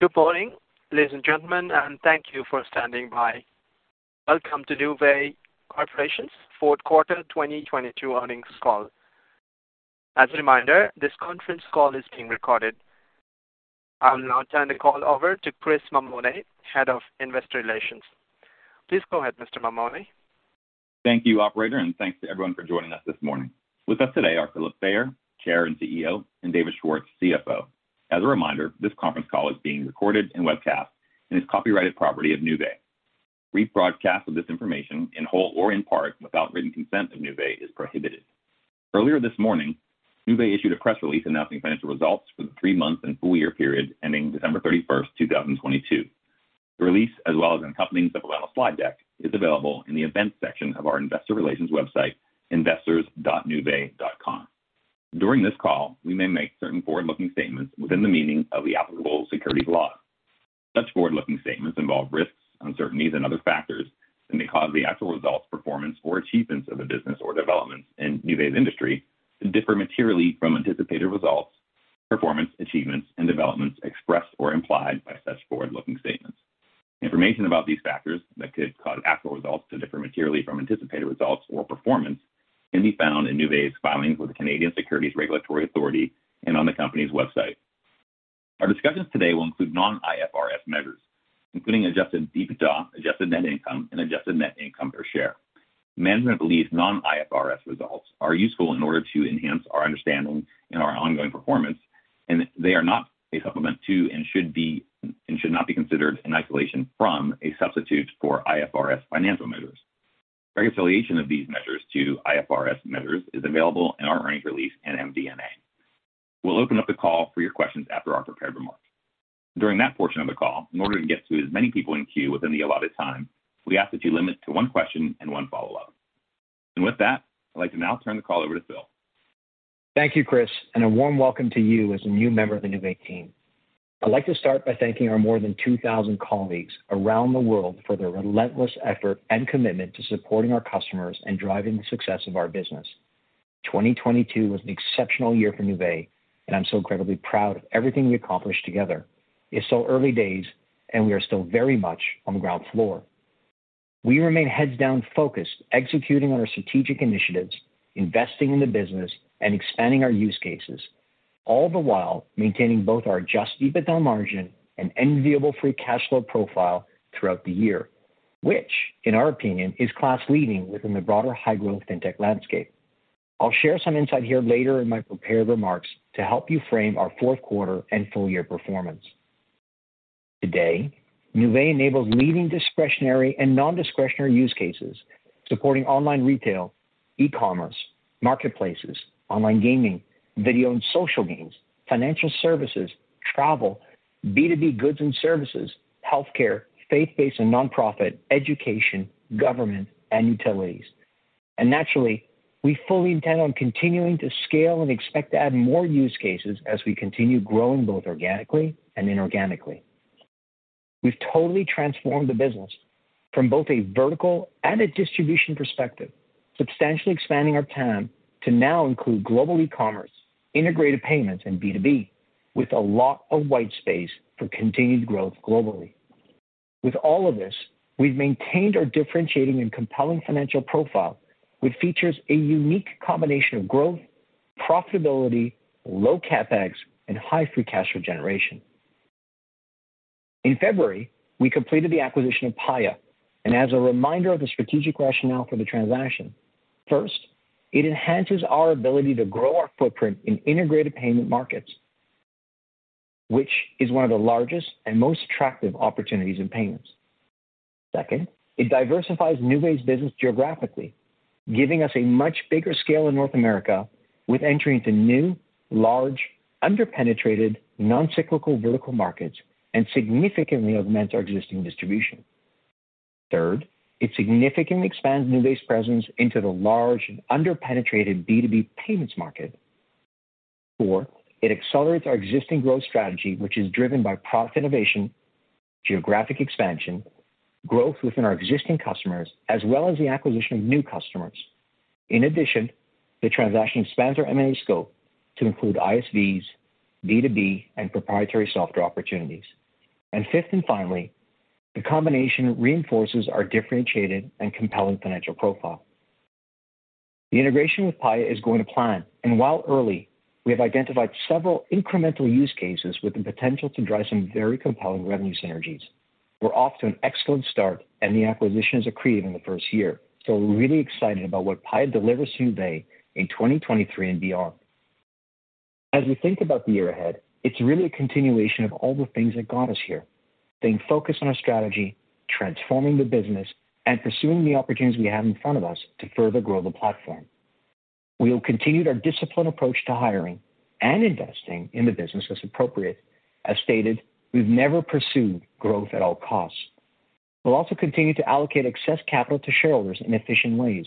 Good morning, ladies and gentlemen, thank you for standing by. Welcome to Nuvei Corporation's fourth quarter 2022 earnings call. As a reminder, this conference call is being recorded. I will now turn the call over to Chris Mammone, Head of Investor Relations. Please go ahead, Mr. Mammone. Thank you, operator, and thanks to everyone for joining us this morning. With us today are Philip Fayer, Chair and CEO, and David Schwartz, CFO. As a reminder, this conference call is being recorded and webcast and is copyrighted property of Nuvei. Rebroadcast of this information, in whole or in part, without written consent of Nuvei is prohibited. Earlier this morning, Nuvei issued a press release announcing financial results for the 3-month and full year period ending December 31st, 2022. The release, as well as accompanying supplemental slide deck, is available in the events section of our investor relations website, investors.nuvei.com. During this call, we may make certain forward-looking statements within the meaning of the applicable securities law. Such forward-looking statements involve risks, uncertainties and other factors that may cause the actual results, performance, or achievements of the business or developments in Nuvei's industry to differ materially from anticipated results, performance, achievements, and developments expressed or implied by such forward-looking statements. Information about these factors that could cause actual results to differ materially from anticipated results or performance can be found in Nuvei's filings with the Canadian securities regulatory authorities and on the company's website. Our discussions today will include non-IFRS measures, including Adjusted EBITDA, Adjusted net income, and Adjusted net income per share. Management believes non-IFRS results are useful in order to enhance our understanding in our ongoing performance. They are not a supplement to and should not be considered in isolation from a substitute for IFRS financial measures. Reconciliation of these measures to IFRS measures is available in our earned release and MD&A. We'll open up the call for your questions after our prepared remarks. During that portion of the call, in order to get to as many people in queue within the allotted time, we ask that you limit to one question and one follow-up. With that, I'd like to now turn the call over to Phil. Thank you, Chris, a warm welcome to you as a new member of the Nuvei team. I'd like to start by thanking our more than 2,000 colleagues around the world for their relentless effort and commitment to supporting our customers and driving the success of our business. 2022 was an exceptional year for Nuvei, I'm so incredibly proud of everything we accomplished together. It's still early days, we are still very much on the ground floor. We remain heads down focused, executing on our strategic initiatives, investing in the business and expanding our use cases, all the while maintaining both our Adjusted EBITDA margin and enviable free cash flow profile throughout the year, which in our opinion is class leading within the broader high-growth fintech landscape. I'll share some insight here later in my prepared remarks to help you frame our fourth quarter and full year performance. Today, Nuvei enables leading discretionary and non-discretionary use cases supporting online retail, e-commerce, marketplaces, online gaming, video and social games, financial services, travel, B2B goods and services, healthcare, faith-based and nonprofit, education, government, and utilities. Naturally, we fully intend on continuing to scale and expect to add more use cases as we continue growing both organically and inorganically. We've totally transformed the business from both a vertical and a distribution perspective, substantially expanding our TAM to now include global e-commerce, integrated payments and B2B, with a lot of white space for continued growth globally. With all of this, we've maintained our differentiating and compelling financial profile, which features a unique combination of growth, profitability, low CapEx and high free cash flow generation. In February, we completed the acquisition of Paya, and as a reminder of the strategic rationale for the transaction, first, it enhances our ability to grow our footprint in integrated payment markets, which is one of the largest and most attractive opportunities in payments. Second, it diversifies Nuvei's business geographically, giving us a much bigger scale in North America with entry into new, large, under-penetrated, non-cyclical vertical markets and significantly augments our existing distribution. Third, it significantly expands Nuvei's presence into the large and under-penetrated B2B payments market. Four, it accelerates our existing growth strategy, which is driven by product innovation, geographic expansion, growth within our existing customers, as well as the acquisition of new customers. In addition, the transaction expands our M&A scope to include ISVs, B2B, and proprietary software opportunities. Fifth and finally, the combination reinforces our differentiated and compelling financial profile. The integration with Paya is going to plan. While early, we have identified several incremental use cases with the potential to drive some very compelling revenue synergies. We're off to an excellent start. The acquisition is accretive in the first year. We're really excited about what Paya delivers to Nuvei in 2023 and beyond. As we think about the year ahead, it's really a continuation of all the things that got us here, staying focused on our strategy, transforming the business, and pursuing the opportunities we have in front of us to further grow the platform. We will continue our disciplined approach to hiring and investing in the business as appropriate. As stated, we've never pursued growth at all costs. We'll also continue to allocate excess capital to shareholders in efficient ways,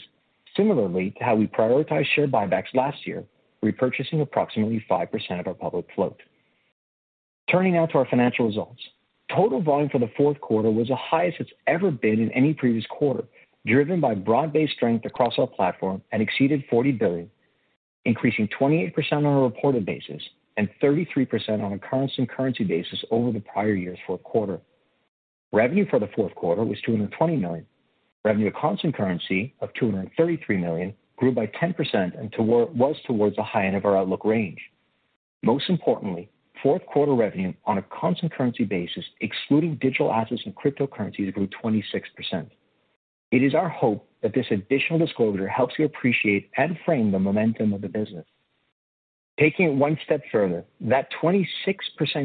similarly to how we prioritize share buybacks last year, repurchasing approximately 5% of our public float. Turning now to our financial results. Total volume for the fourth quarter was the highest it's ever been in any previous quarter, driven by broad-based strength across our platform and exceeded $40 billion. Increasing 28% on a reported basis and 33% on a constant currency basis over the prior years for a quarter. Revenue for the fourth quarter was $220 million. Revenue at constant currency of $233 million grew by 10% and was towards the high end of our outlook range. Most importantly, fourth quarter revenue on a constant currency basis, excluding digital assets and cryptocurrencies, grew 26%. It is our hope that this additional disclosure helps you appreciate and frame the momentum of the business. Taking it one step further, that 26%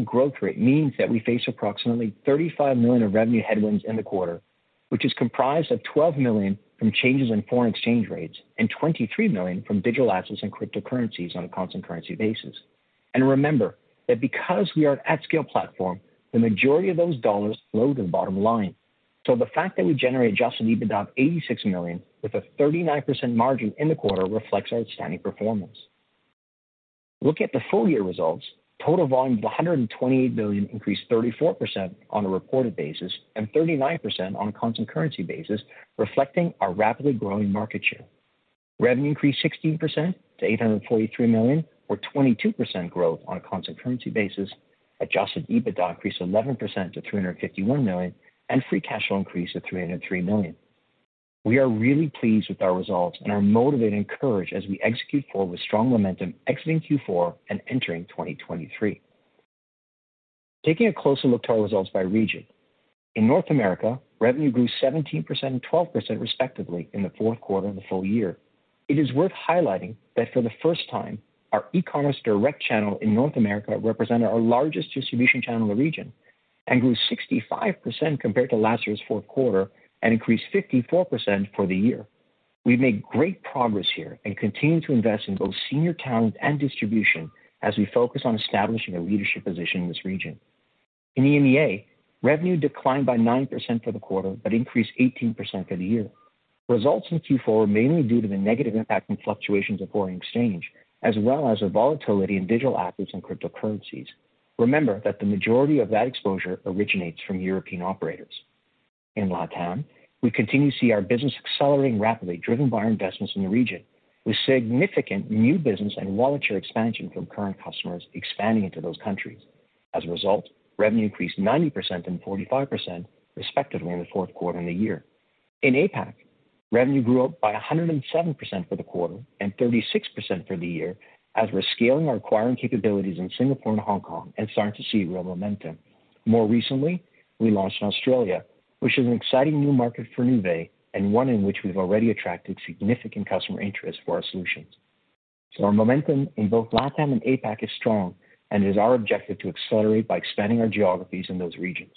growth rate means that we face approximately $35 million of revenue headwinds in the quarter, which is comprised of $12 million from changes in foreign exchange rates and $23 million from digital assets and cryptocurrencies on a constant currency basis. Remember that because we are an at-scale platform, the majority of those dollars flow to the bottom line. The fact that we generate Adjusted EBITDA of $86 million with a 39% margin in the quarter reflects our outstanding performance. Looking at the full-year results, total volume of $128 billion increased 34% on a reported basis and 39% on a constant currency basis, reflecting our rapidly growing market share. Revenue increased 16% to $843 million or 22% growth on a constant currency basis. Adjusted EBITDA increased 11% to $351 million, and free cash flow increased to $303 million. We are really pleased with our results and are motivated and encouraged as we execute forward with strong momentum exiting Q4 and entering 2023. Taking a closer look to our results by region. In North America, revenue grew 17% and 12% respectively in the fourth quarter and the full year. It is worth highlighting that for the first time, our e-commerce direct channel in North America represented our largest distribution channel in the region and grew 65% compared to last year's fourth quarter and increased 54% for the year. We've made great progress here and continue to invest in both senior talent and distribution as we focus on establishing a leadership position in this region. In EMEA, revenue declined by 9% for the quarter but increased 18% for the year. Results in Q4 were mainly due to the negative impact from fluctuations of foreign exchange, as well as the volatility in digital assets and cryptocurrencies. Remember that the majority of that exposure originates from European operators. In LATAM, we continue to see our business accelerating rapidly, driven by our investments in the region, with significant new business and wallet share expansion from current customers expanding into those countries. As a result, revenue increased 90% and 45%, respectively, in the fourth quarter and the year. In APAC, revenue grew up by 107% for the quarter and 36% for the year, as we're scaling our acquiring capabilities in Singapore and Hong Kong and starting to see real momentum. More recently, we launched in Australia, which is an exciting new market for Nuvei, and one in which we've already attracted significant customer interest for our solutions. Our momentum in both LATAM and APAC is strong, and it is our objective to accelerate by expanding our geographies in those regions.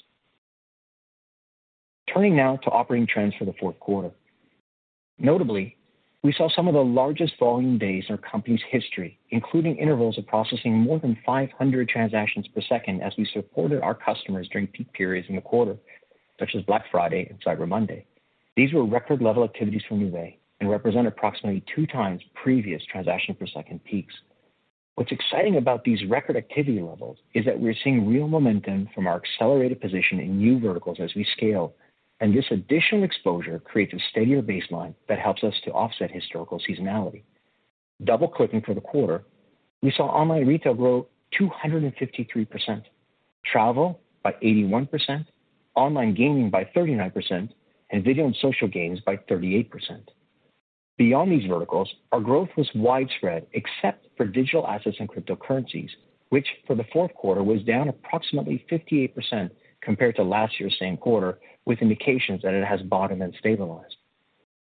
Turning now to operating trends for the fourth quarter. Notably, we saw some of the largest volume days in our company's history, including intervals of processing more than 500 transactions per second as we supported our customers during peak periods in the quarter, such as Black Friday and Cyber Monday. These were record-level activities for Nuvei and represent approximately two times previous transaction per second peaks. What's exciting about these record activity levels is that we're seeing real momentum from our accelerated position in new verticals as we scale, and this additional exposure creates a steadier baseline that helps us to offset historical seasonality. Double-clicking for the quarter, we saw online retail grow 253%, travel by 81%, online gaming by 39%, and video and social games by 38%. Beyond these verticals, our growth was widespread, except for digital assets and cryptocurrencies, which for the fourth quarter was down approximately 58% compared to last year's same quarter, with indications that it has bottomed and stabilized.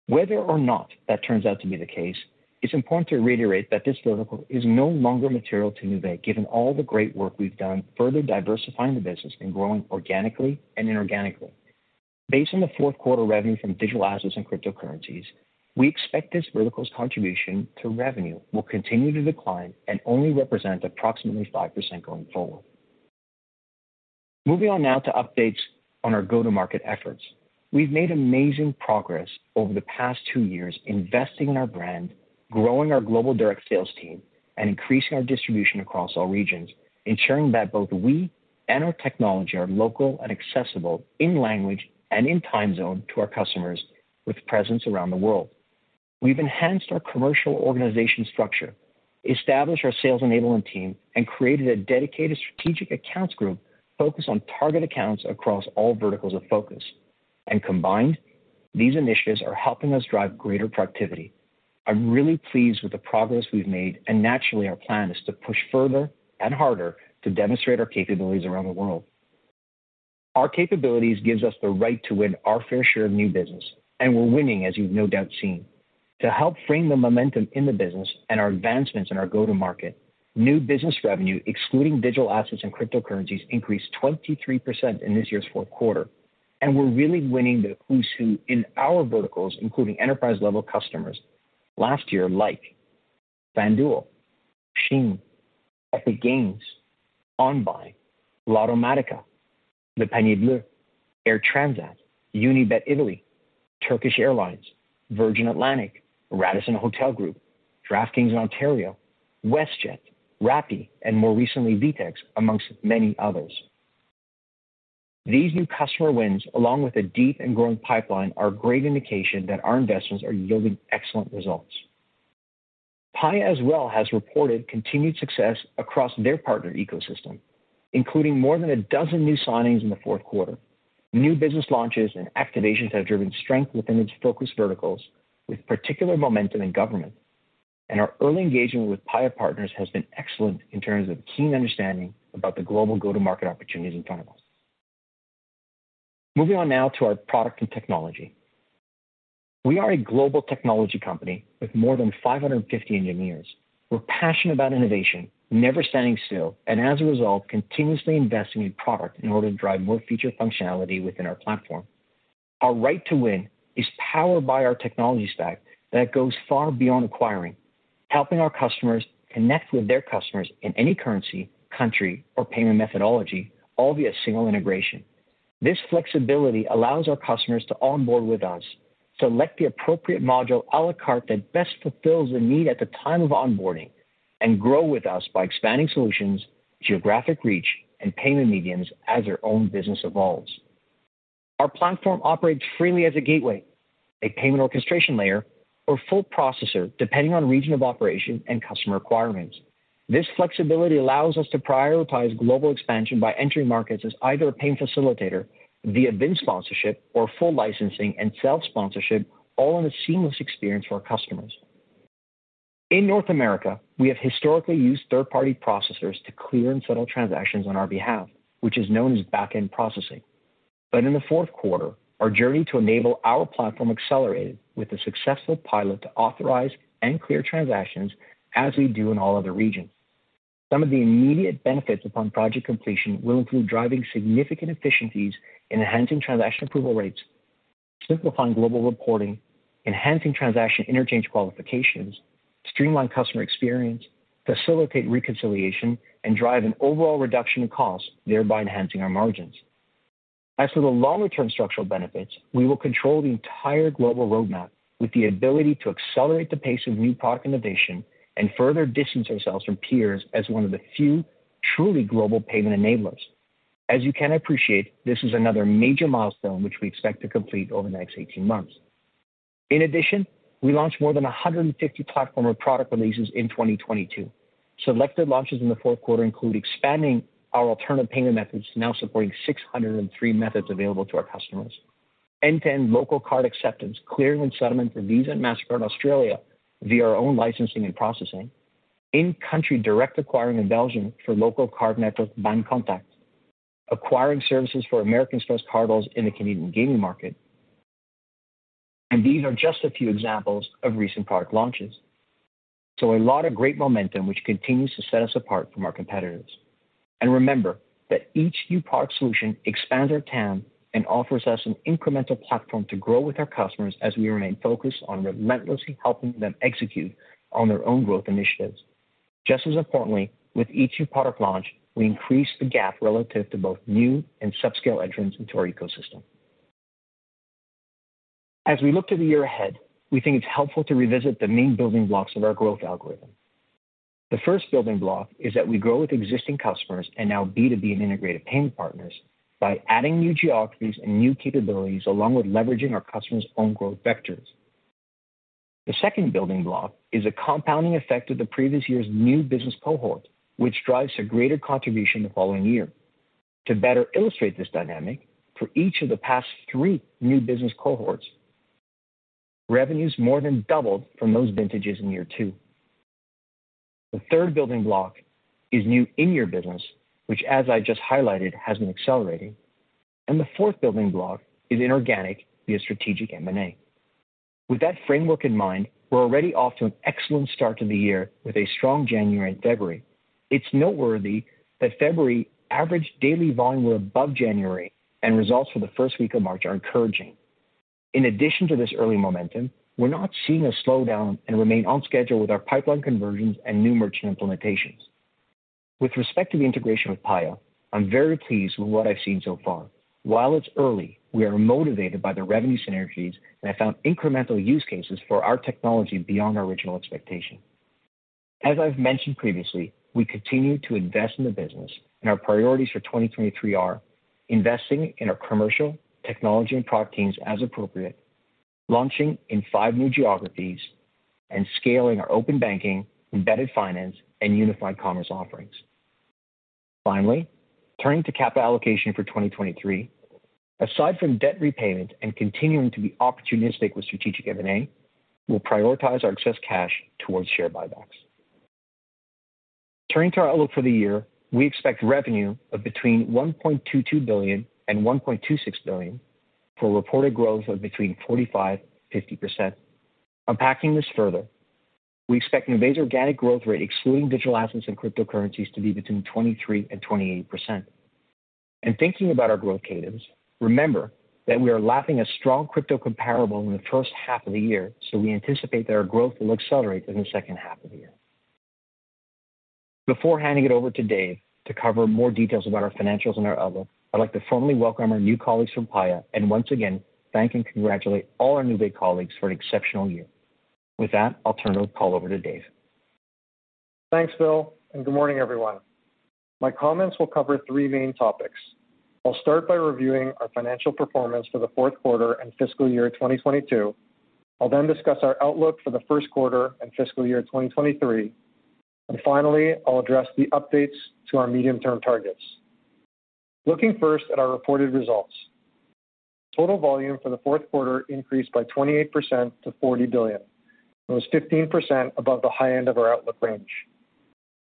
Whether or not that turns out to be the case, it's important to reiterate that this vertical is no longer material to Nuvei, given all the great work we've done further diversifying the business and growing organically and inorganically. Based on the fourth quarter revenue from digital assets and cryptocurrencies, we expect this vertical's contribution to revenue will continue to decline and only represent approximately 5% going forward. Moving on now to updates on our go-to-market efforts. We've made amazing progress over the past two years investing in our brand, growing our global direct sales team, and increasing our distribution across all regions, ensuring that both we and our technology are local and accessible in language and in time zone to our customers with presence around the world. We've enhanced our commercial organization structure, established our sales enablement team, and created a dedicated strategic accounts group focused on target accounts across all verticals of focus. Combined, these initiatives are helping us drive greater productivity. I'm really pleased with the progress we've made, and naturally, our plan is to push further and harder to demonstrate our capabilities around the world. Our capabilities gives us the right to win our fair share of new business, and we're winning, as you've no doubt seen. To help frame the momentum in the business and our advancements in our go-to-market, new business revenue, excluding digital assets and cryptocurrencies, increased 23% in this year's fourth quarter. We're really winning the who's who in our verticals, including enterprise-level customers. Last year, like FanDuel, SHEIN, Epic Games, OnBuy, Lottomatica, Le Panier Bleu, Air Transat, Unibet Italy, Turkish Airlines, Virgin Atlantic, Radisson Hotel Group, DraftKings in Ontario, WestJet, Rappi, and more recently, VTEX, amongst many others. These new customer wins, along with a deep and growing pipeline, are a great indication that our investments are yielding excellent results. Paya as well has reported continued success across their partner ecosystem, including more than a dozen new signings in the fourth quarter. New business launches and activations have driven strength within its focused verticals with particular momentum in government. Our early engagement with Paya Partners has been excellent in terms of keen understanding about the global go-to-market opportunities in front of us. Moving on now to our product and technology. We are a global technology company with more than 550 engineers. We're passionate about innovation, never standing still, and as a result, continuously investing in product in order to drive more feature functionality within our platform. Our right to win is powered by our technology stack that goes far beyond acquiring, helping our customers connect with their customers in any currency, country, or payment methodology, all via single integration. This flexibility allows our customers to onboard with us, select the appropriate module a la carte that best fulfills the need at the time of onboarding, and grow with us by expanding solutions, geographic reach, and payment mediums as their own business evolves. Our platform operates freely as a gateway, a payment orchestration layer or full processor, depending on region of operation and customer requirements. This flexibility allows us to prioritize global expansion by entering markets as either a payment facilitator via BIN sponsorship or full licensing and self-sponsorship, all in a seamless experience for our customers. In the fourth quarter, our journey to enable our platform accelerated with a successful pilot to authorize and clear transactions as we do in all other regions. Some of the immediate benefits upon project completion will include driving significant efficiencies, enhancing transaction approval rates, simplifying global reporting, enhancing transaction interchange qualifications, streamline customer experience, facilitate reconciliation, and drive an overall reduction in cost, thereby enhancing our margins. As for the longer-term structural benefits, we will control the entire global roadmap with the ability to accelerate the pace of new product innovation and further distance ourselves from peers as one of the few truly global payment enablers. As you can appreciate, this is another major milestone which we expect to complete over the next 18 months. We launched more than 150 platform or product releases in 2022. Selected launches in the fourth quarter include expanding our alternative payment methods to now supporting 603 methods available to our customers. End-to-end local card acceptance, clearing, and settlement for Visa and Mastercard Australia via our own licensing and processing. In-country direct acquiring in Belgium for local card network Bancontact. Acquiring services for American Express cardholders in the Canadian gaming market. These are just a few examples of recent product launches. A lot of great momentum, which continues to set us apart from our competitors. Remember that each new product solution expands our TAM and offers us an incremental platform to grow with our customers as we remain focused on relentlessly helping them execute on their own growth initiatives. Just as importantly, with each new product launch, we increase the gap relative to both new and subscale entrants into our ecosystem. As we look to the year ahead, we think it's helpful to revisit the main building blocks of our growth algorithm. The first building block is that we grow with existing customers and now B2B and integrated payment partners by adding new geographies and new capabilities along with leveraging our customers' own growth vectors. The second building block is a compounding effect of the previous year's new business cohort, which drives a greater contribution the following year. To better illustrate this dynamic, for each of the past three new business cohorts, revenues more than doubled from those vintages in year two. The third building block is new in-year business, which as I just highlighted, has been accelerating. The fourth building block is inorganic via strategic M&A. With that framework in mind, we're already off to an excellent start to the year with a strong January and February. It's noteworthy that February average daily volume were above January, and results for the first week of March are encouraging. In addition to this early momentum, we're not seeing a slowdown and remain on schedule with our pipeline conversions and new merchant implementations. With respect to the integration with Paya, I'm very pleased with what I've seen so far. While it's early, we are motivated by the revenue synergies and have found incremental use cases for our technology beyond our original expectation. As I've mentioned previously, we continue to invest in the business, and our priorities for 2023 are investing in our commercial, technology, and product teams as appropriate, launching in 5 new geographies, and scaling our open banking, embedded finance, and unified commerce offerings. Finally, turning to capital allocation for 2023. Aside from debt repayment and continuing to be opportunistic with strategic M&A, we'll prioritize our excess cash towards share buybacks. Turning to our outlook for the year, we expect revenue of between $1.22 billion and $1.26 billion for a reported growth of between 45%-50%. Unpacking this further, we expect Nuvei's organic growth rate excluding digital assets and cryptocurrencies to be between 23% and 28%. Thinking about our growth cadence, remember that we are lapping a strong crypto comparable in the first half of the year, so we anticipate that our growth will accelerate in the second half of the year. Before handing it over to Dave to cover more details about our financials and our outlook, I'd like to formally welcome our new colleagues from Paya and once again thank and congratulate all our Nuvei colleagues for an exceptional year. With that, I'll turn the call over to Dave. Thanks, Phil, good morning, everyone. My comments will cover three main topics. I'll start by reviewing our financial performance for the fourth quarter and fiscal year 2022. I'll then discuss our outlook for the first quarter and fiscal year 2023. Finally, I'll address the updates to our medium-term targets. Looking first at our reported results. Total volume for the fourth quarter increased by 28% to $40 billion. It was 15% above the high end of our outlook range.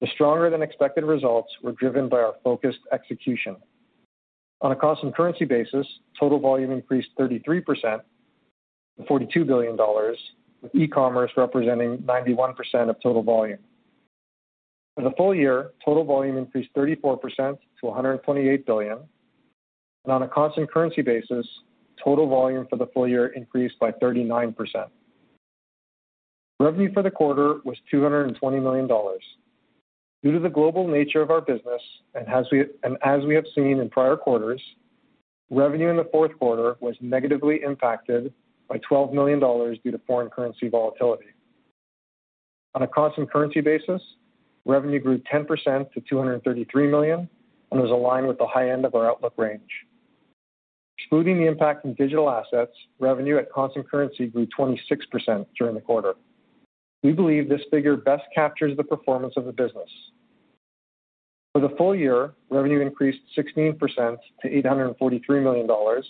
The stronger than expected results were driven by our focused execution. On a constant currency basis, total volume increased 33% to $42 billion, with e-commerce representing 91% of total volume. For the full year, total volume increased 34% to $128 billion. On a constant currency basis, total volume for the full year increased by 39%. Revenue for the quarter was $220 million. Due to the global nature of our business, and as we have seen in prior quarters, revenue in the fourth quarter was negatively impacted by $12 million due to foreign currency volatility. On a constant currency basis, revenue grew 10% to $233 million and was aligned with the high end of our outlook range. Excluding the impact from digital assets, revenue at constant currency grew 26% during the quarter. We believe this figure best captures the performance of the business. For the full year, revenue increased 16% to $843 million.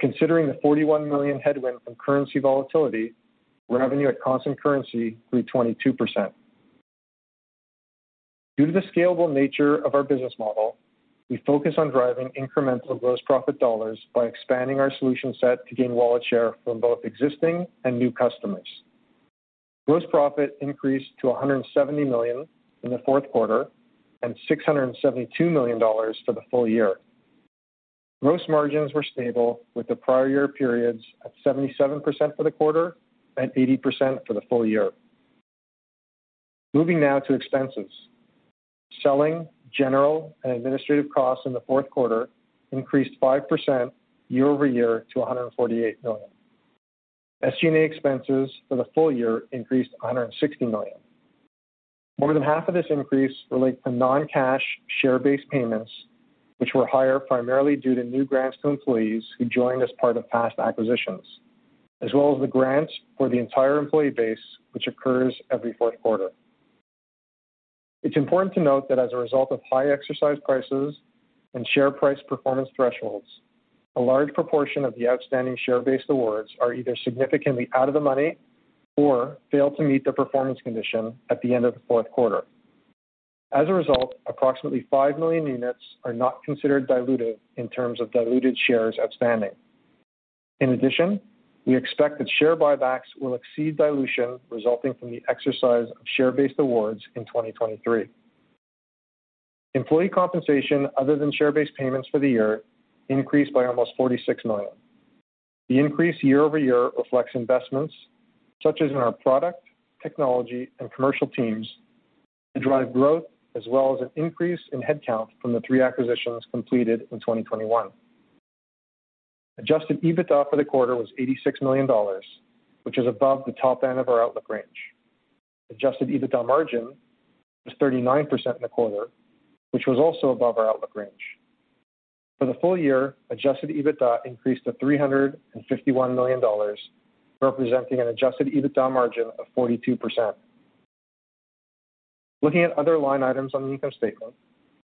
Considering the $41 million headwind from currency volatility, revenue at constant currency grew 22%. Due to the scalable nature of our business model, we focus on driving incremental gross profit dollars by expanding our solution set to gain wallet share from both existing and new customers. Gross profit increased to $170 million in the fourth quarter, and $672 million for the full year. Gross margins were stable with the prior year periods at 77% for the quarter and 80% for the full year. Moving now to expenses. Selling, general, and administrative costs in the fourth quarter increased 5% year-over-year to $148 million. SG&A expenses for the full year increased $160 million. More than half of this increase relate to non-cash share-based payments, which were higher primarily due to new grants to employees who joined as part of past acquisitions, as well as the grants for the entire employee base, which occurs every fourth quarter. It's important to note that as a result of high exercise prices and share price performance thresholds, a large proportion of the outstanding share-based awards are either significantly out of the money or failed to meet their performance condition at the end of the fourth quarter. As a result, approximately 5 million units are not considered diluted in terms of diluted shares outstanding. In addition, we expect that share buybacks will exceed dilution resulting from the exercise of share-based awards in 2023. Employee compensation other than share-based payments for the year increased by almost $46 million. The increase year-over-year reflects investments such as in our product, technology, and commercial teams to drive growth, as well as an increase in headcount from the three acquisitions completed in 2021. Adjusted EBITDA for the quarter was $86 million, which is above the top end of our outlook range. Adjusted EBITDA margin was 39% in the quarter, which was also above our outlook range. For the full year, Adjusted EBITDA increased to $351 million, representing an Adjusted EBITDA margin of 42%. Looking at other line items on the income statement.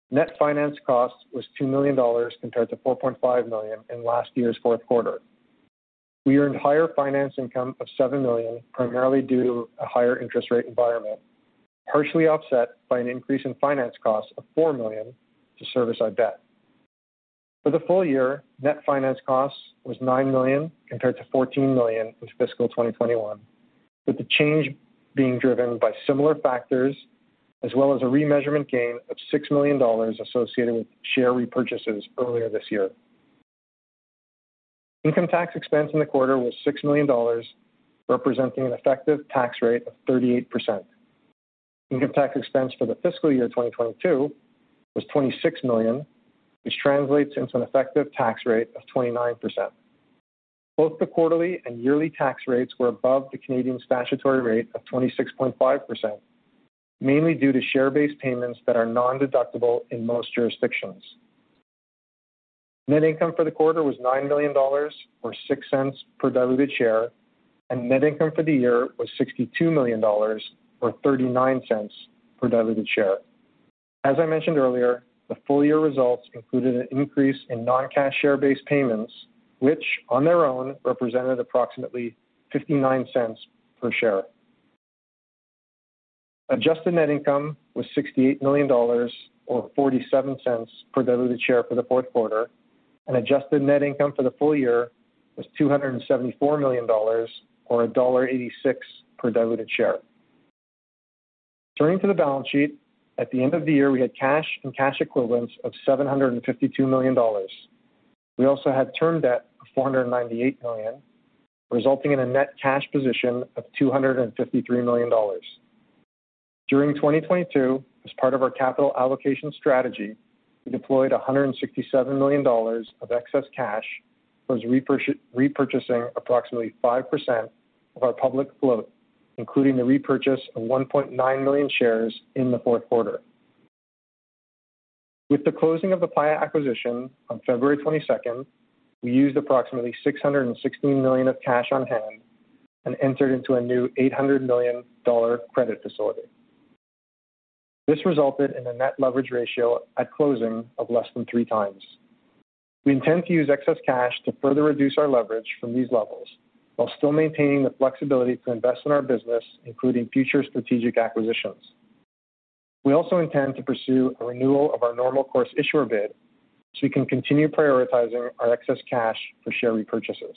Net finance cost was $2 million compared to $4.5 million in last year's fourth quarter. We earned higher finance income of $7 million, primarily due to a higher interest rate environment, partially offset by an increase in finance costs of $4 million to service our debt. For the full year, net finance costs was $9 million compared to $14 million in fiscal 2021, with the change being driven by similar factors as well as a remeasurement gain of $6 million associated with share repurchases earlier this year. Income tax expense in the quarter was $6 million, representing an effective tax rate of 38%. Income tax expense for the fiscal year 2022 was $26 million, which translates into an effective tax rate of 29%. Both the quarterly and yearly tax rates were above the Canadian statutory rate of 26.5%, mainly due to share-based payments that are nondeductible in most jurisdictions. Net income for the quarter was $9 million or $0.06 per diluted share, and net income for the year was $62 million or $0.39 per diluted share. As I mentioned earlier, the full year results included an increase in non-cash share-based payments, which on their own represented approximately $0.59 per share. Adjusted net income was $68 million or $0.47 per diluted share for the fourth quarter, and Adjusted net income for the full year was $274 million or $1.86 per diluted share. Turning to the balance sheet. At the end of the year, we had cash and cash equivalents of $752 million. We also had term debt of $498 million, resulting in a net cash position of $253 million. During 2022, as part of our capital allocation strategy, we deployed $167 million of excess cash repurchasing approximately 5% of our public float, including the repurchase of 1.9 million shares in the Q4. With the closing of the Paya acquisition on February 22nd, we used approximately $616 million of cash on hand and entered into a new $800 million credit facility. This resulted in a net leverage ratio at closing of less than 3 times. We intend to use excess cash to further reduce our leverage from these levels while still maintaining the flexibility to invest in our business, including future strategic acquisitions. We also intend to pursue a renewal of our Normal Course Issuer Bid, so we can continue prioritizing our excess cash for share repurchases.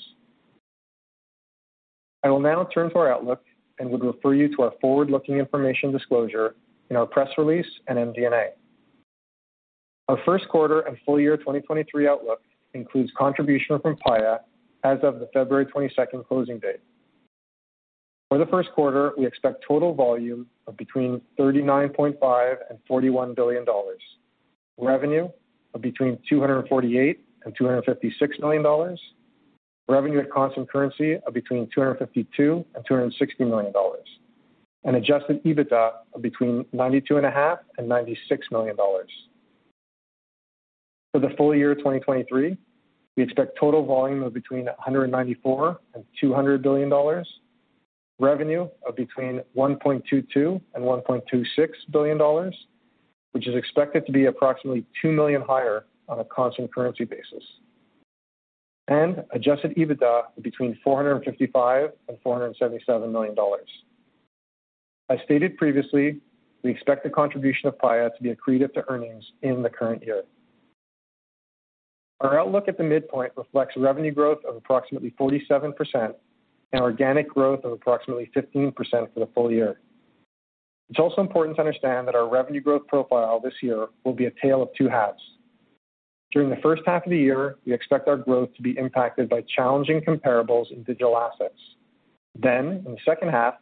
I will now turn to our outlook and would refer you to our forward-looking information disclosure in our press release and MD&A. Our first quarter and full year 2023 outlook includes contribution from Paya as of the February 22nd closing date. For the first quarter, we expect total volume of between $39.5 billion and $41 billion. Revenue of between $248 million and $256 million. Revenue at constant currency of between $252 million and $260 million. Adjusted EBITDA of between $92.5 million and $96 million. For the full year 2023, we expect total volume of between $194 billion and $200 billion. Revenue of between $1.22 billion-$1.26 billion, which is expected to be approximately $2 million higher on a constant currency basis. Adjusted EBITDA between $455 million-$477 million. As stated previously, we expect the contribution of Paya to be accretive to earnings in the current year. Our outlook at the midpoint reflects revenue growth of approximately 47% and organic growth of approximately 15% for the full year. It's also important to understand that our revenue growth profile this year will be a tale of two halves. During the first half of the year, we expect our growth to be impacted by challenging comparables in digital assets. In the second half,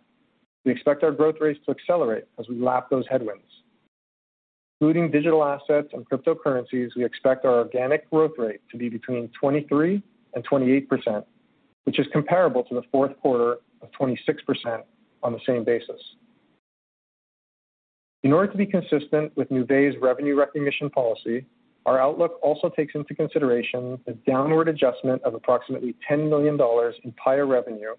we expect our growth rates to accelerate as we lap those headwinds. Excluding digital assets and cryptocurrencies, we expect our organic growth rate to be between 23%-28%, which is comparable to the fourth quarter of 26% on the same basis. In order to be consistent with Nuvei's revenue recognition policy, our outlook also takes into consideration the downward adjustment of approximately $10 million in Paya revenue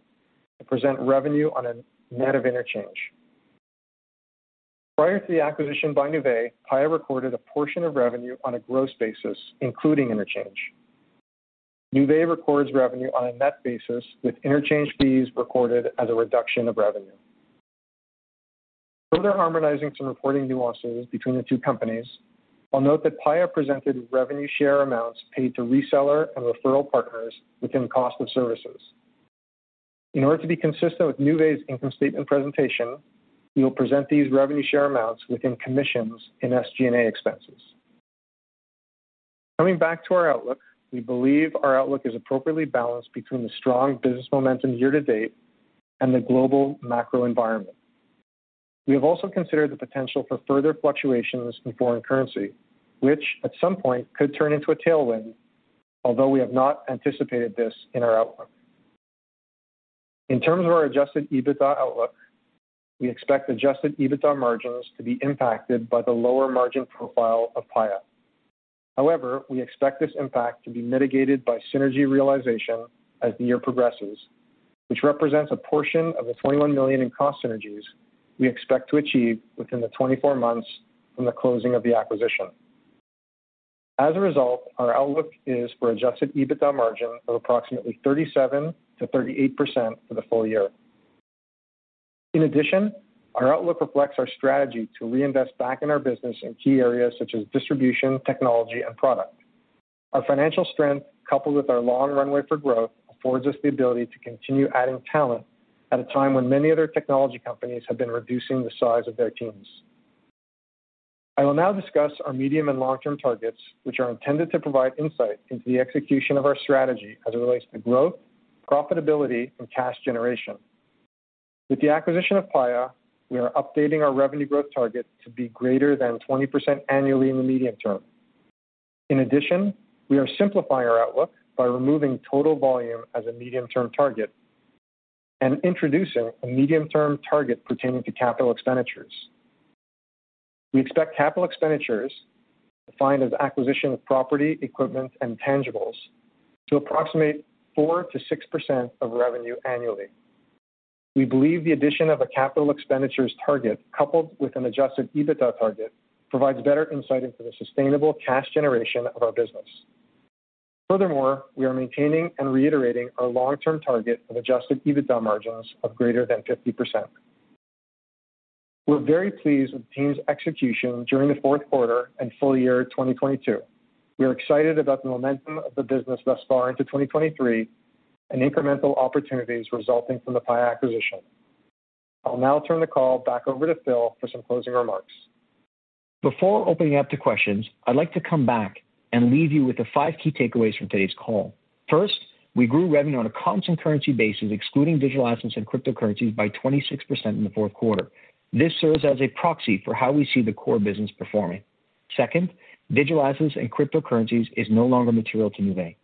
to present revenue on a net of interchange. Prior to the acquisition by Nuvei, Paya recorded a portion of revenue on a gross basis, including interchange. Nuvei records revenue on a net basis with interchange fees recorded as a reduction of revenue. Further harmonizing some reporting nuances between the two companies, I'll note that Paya presented revenue share amounts paid to reseller and referral partners within cost of services. In order to be consistent with Nuvei's income statement presentation, we will present these revenue share amounts within commissions in SG&A expenses. Coming back to our outlook, we believe our outlook is appropriately balanced between the strong business momentum year to date and the global macro environment. We have also considered the potential for further fluctuations in foreign currency, which at some point could turn into a tailwind, although we have not anticipated this in our outlook. In terms of our Adjusted EBITDA outlook, we expect Adjusted EBITDA margins to be impacted by the lower margin profile of Paya. However, we expect this impact to be mitigated by synergy realization as the year progresses, which represents a portion of the 21 million in cost synergies we expect to achieve within the 24 months from the closing of the acquisition. As a result, our outlook is for Adjusted EBITDA margin of approximately 37%-38% for the full year. In addition, our outlook reflects our strategy to reinvest back in our business in key areas such as distribution, technology, and product. Our financial strength, coupled with our long runway for growth, affords us the ability to continue adding talent at a time when many other technology companies have been reducing the size of their teams. I will now discuss our medium and long-term targets, which are intended to provide insight into the execution of our strategy as it relates to growth, profitability, and cash generation. With the acquisition of Paya, we are updating our revenue growth target to be greater than 20% annually in the medium term. In addition, we are simplifying our outlook by removing total volume as a medium-term target and introducing a medium-term target pertaining to capital expenditures. We expect capital expenditures, defined as acquisition of property, equipment, and tangibles, to approximate 4%-6% of revenue annually. We believe the addition of a capital expenditures target coupled with an Adjusted EBITDA target provides better insight into the sustainable cash generation of our business. We are maintaining and reiterating our long-term target of Adjusted EBITDA margins of greater than 50%. We're very pleased with the team's execution during the fourth quarter and full year 2022. We are excited about the momentum of the business thus far into 2023 and incremental opportunities resulting from the Paya acquisition. I'll now turn the call back over to Phil for some closing remarks. Before opening up to questions, I'd like to come back and leave you with the five key takeaways from today's call. First, we grew revenue on a constant currency basis, excluding digital assets and cryptocurrencies, by 26% in the fourth quarter. This serves as a proxy for how we see the core business performing. Second, digital assets and cryptocurrencies is no longer material to Nuvei.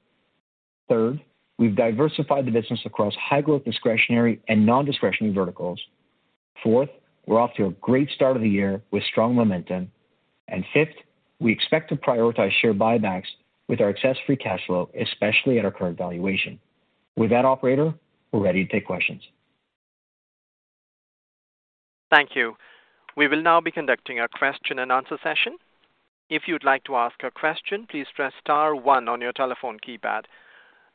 Third, we've diversified the business across high-growth discretionary and non-discretionary verticals. Fourth, we're off to a great start of the year with strong momentum. Fifth, we expect to prioritize share buybacks with our excess free cash flow, especially at our current valuation. With that, operator, we're ready to take questions. Thank you. We will now be conducting a question-and-answer session. If you'd like to ask a question, please press star one on your telephone keypad.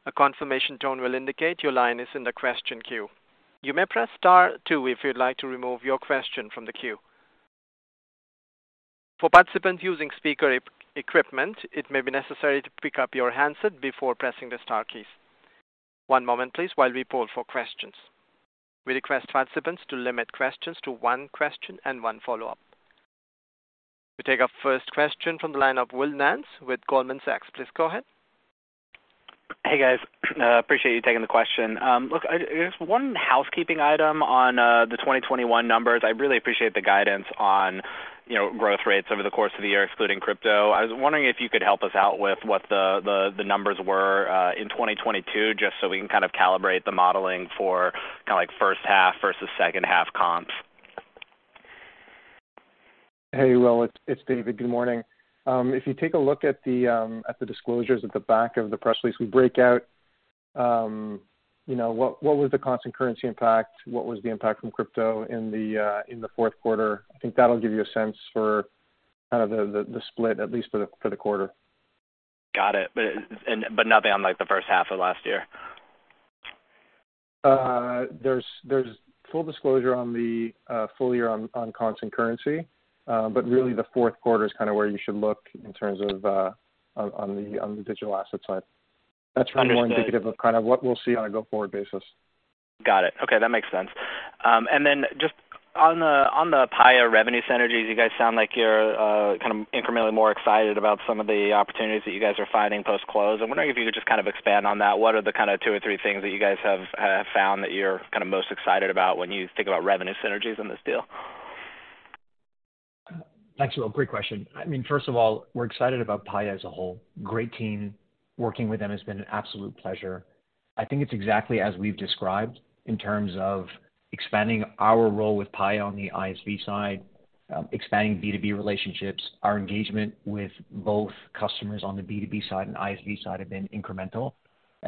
A confirmation tone will indicate your line is in the question queue. You may press star two if you'd like to remove your question from the queue. For participants using speaker equipment, it may be necessary to pick up your handset before pressing the star keys. One moment, please, while we poll for questions. We request participants to limit questions to one question and one follow-up. We take our first question from the line of Will Nance with Goldman Sachs. Please go ahead. Hey, guys. appreciate you taking the question. look, there's one housekeeping item on the 2021 numbers. I really appreciate the guidance on, you know, growth rates over the course of the year, excluding crypto. I was wondering if you could help us out with what the numbers were in 2022, just so we can kind of calibrate the modeling for kinda, like, first half versus second half comps. Hey, Will, it's David. Good morning. If you take a look at the disclosures at the back of the press release, we break out, you know, what was the constant currency impact, what was the impact from crypto in the fourth quarter. I think that'll give you a sense for kind of the split, at least for the quarter. Got it. Nothing on, like, the first half of last year. there's full disclosure on the full year on constant currency, but really the fourth quarter is kinda where you should look in terms of on the digital asset side. Understood. That's more indicative of kind of what we'll see on a go-forward basis. Got it. Okay, that makes sense. Just on the, on the Paya revenue synergies, you guys sound like you're kind of incrementally more excited about some of the opportunities that you guys are finding post-close. I'm wondering if you could just kind of expand on that. What are the kinda two or three things that you guys have found that you're kinda most excited about when you think about revenue synergies in this deal? Thanks, Will. Great question. I mean, first of all, we're excited about Paya as a whole. Great team. Working with them has been an absolute pleasure. I think it's exactly as we've described in terms of expanding our role with Paya on the ISV side, expanding B2B relationships. Our engagement with both customers on the B2B side and ISV side have been incremental.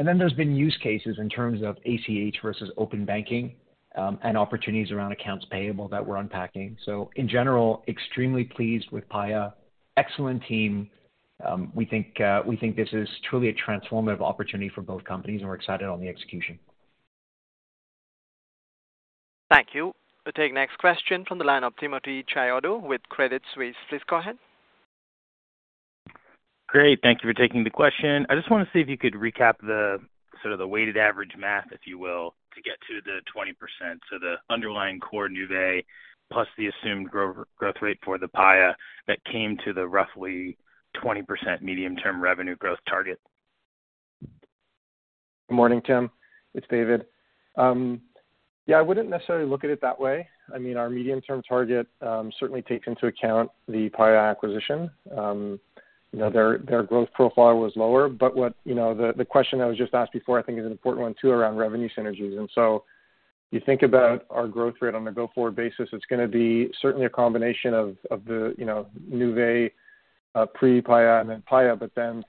There's been use cases in terms of ACH versus open banking, and opportunities around accounts payable that we're unpacking. In general, extremely pleased with Paya. Excellent team. We think this is truly a transformative opportunity for both companies, and we're excited on the execution. Thank you. We'll take next question from the line of Timothy Chiodo with Credit Suisse. Please go ahead. Great. Thank you for taking the question. I just wanna see if you could recap the sort of the weighted average math, if you will, to get to the 20%. The underlying core Nuvei, plus the assumed growth rate for the Paya that came to the roughly 20% medium-term revenue growth target. Good morning, Tim. It's David. Yeah, I wouldn't necessarily look at it that way. I mean, our medium-term target certainly takes into account the Paya acquisition. You know, their growth profile was lower. What, you know, the question that was just asked before I think is an important one too, around revenue synergies. You think about our growth rate on a go-forward basis, it's gonna be certainly a combination of the, you know, Nuvei pre-Paya and then Paya,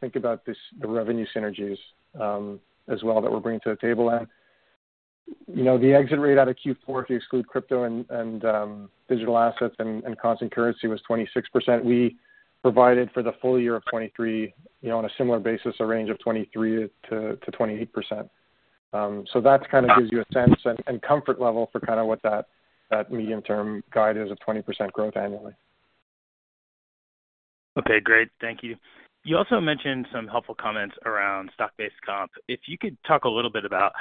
think about the revenue synergies as well that we're bringing to the table. You know, the exit rate out of Q4, if you exclude crypto and digital assets and constant currency, was 26%. We provided for the full year of 2023, you know, on a similar basis, a range of 23%-28%. That kind of gives you a sense and comfort level for kind of what that medium-term guide is of 20% growth annually. Okay, great. Thank you. You also mentioned some helpful comments around stock-based comp. If you could talk a little bit about,